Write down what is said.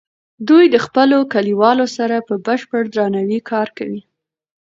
دوی د خپلو کلیوالو سره په بشپړ درناوي کار کوي.